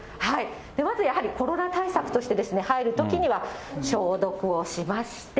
まずやはり、コロナ対策として、入るときには消毒をしまして。